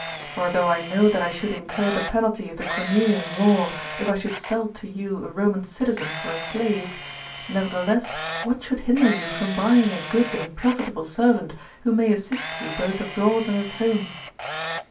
For thoiigh I know that I should incur the penalty of the Cornelian law, if I should sell to you a Roman citizen for a slave ; nevertheless, what should hinder you from buying a good and profitable servant, who may assist you both abroad and at home